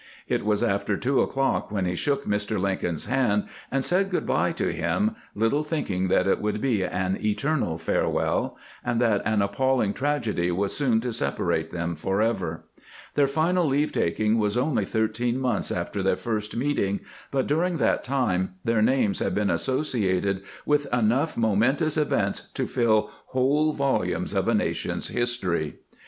It was after two o'clock when he shook Mr. Lincoln's hand and said good by to him, little thinking that it would be an eternal farewell, and that an appalling tragedy was soon to separate them forever. Their final leave taking was only thirteen months after their first meeting, but during that time their names had been associated with enough momen tous events to fiU whole volumes of a nation's history.